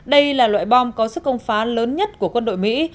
đây là loại bom có sức công phá lớn nhất của quân đội mỹ